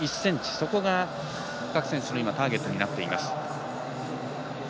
そこが各選手のターゲットになっています。